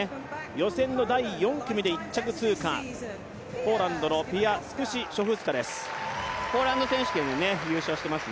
予選の第４組で１着通過、ポーランドのピア・スクシショフスカです。